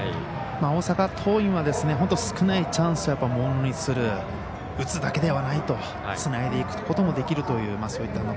大阪桐蔭は本当少ないチャンスをものにする、打つだけではないとつないでいくこともできるという。